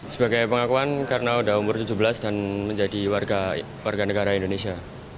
sebagai pengakuan karena sudah umur tujuh belas dan menjadi warga negara indonesia